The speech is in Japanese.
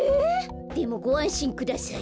でもごあんしんください。